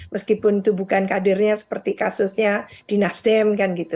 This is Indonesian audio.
meskipun itu bukan kadirnya seperti kasusnya di nasdem